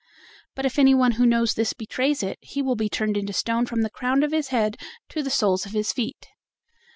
But if anyone who knows this betrays it, he will be turned into stone from the crown of his head to the soles of his feet."